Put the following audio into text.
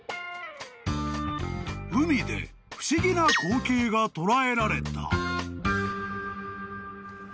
［海で不思議な光景が捉えられた］